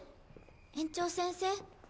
・園長先生。